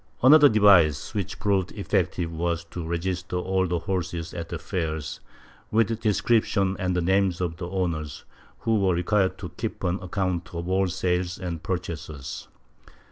Another device, which proved effective, was to register all the horses at the fairs, with descriptions and the names of the owners, who were required to keep an account of all sales and purchasers.